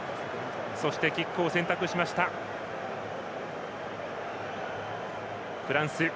そしてキックを選択したフランス。